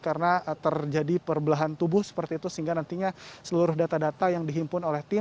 karena terjadi perbelahan tubuh seperti itu sehingga nantinya seluruh data data yang dihimpun oleh tim